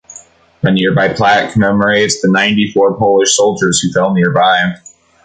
A nearby plaque commemorates the ninety-four Polish soldiers who fell nearby.